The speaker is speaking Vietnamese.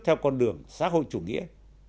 theo con đường xã hội chủ nghĩa